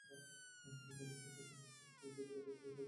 কানে মুঠোফোন থাকায় অনেক সময় দ্রুতগতির ট্রেনের শব্দ শোনা যায় না।